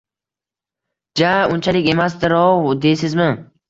Ja-a, unchalik emasdir-ov, deysizmi?